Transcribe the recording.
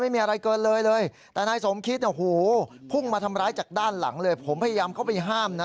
มาทำร้ายจากด้านหลังเลยผมพยายามเข้าไปห้ามนะ